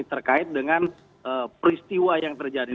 terkait dengan peristiwa yang terjadi